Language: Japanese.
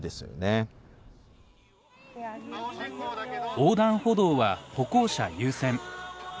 横断歩道は歩行者優先。